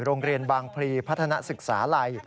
โรงเรียนบางพลีพัฒนาศึกษาลัย